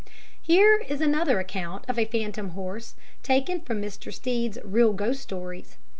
Here is another account of a phantom horse taken from Mr. Stead's Real Ghost Stories.